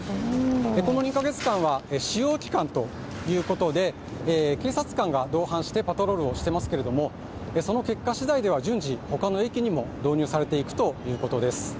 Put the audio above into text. この２か月間は試用期間ということで警察官が同伴してパトロールしてますけどもその結果しだいでは順次、他の駅にも導入されていくということです。